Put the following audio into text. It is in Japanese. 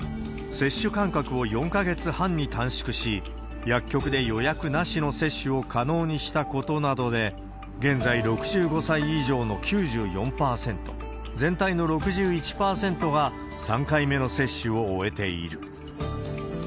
接種間隔を４か月半に短縮し、薬局で予約なしの接種を可能にしたことなどで、現在、６５歳以上の９４％、全体の６１％が３回目の接種を終えている。